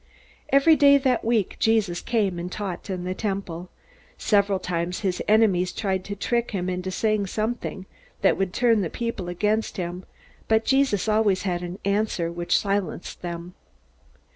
Every day that week, Jesus came and taught in the Temple. Several times his enemies tried to trick him into saying something that would turn the people against him, but Jesus always had an answer which silenced them.